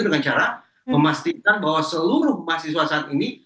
dengan cara memastikan bahwa seluruh mahasiswa saat ini